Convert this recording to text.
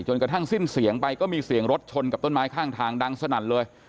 กระทั่งสิ้นเสียงไปก็มีเสียงรถชนกับต้นไม้ข้างทางดังสนั่นเลย